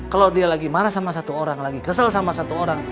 kalau dia lagi marah sama satu orang lagi kesel sama satu orang